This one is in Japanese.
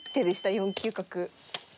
４九角。